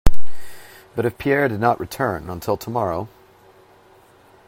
But if Pierre did not return, until tomorrow.